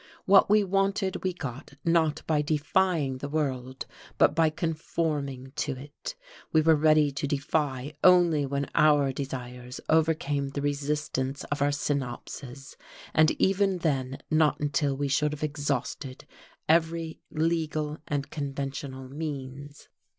What we wanted we got not by defying the world, but by conforming to it: we were ready to defy only when our desires overcame the resistance of our synapses, and even then not until we should have exhausted every legal and conventional means.